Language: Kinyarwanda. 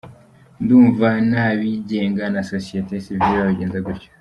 Ndumva n’abigenga na Sosiyete sivile babigenza gutyo.